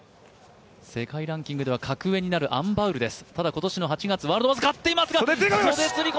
世界ランキングでは格上になるアン・バウルです。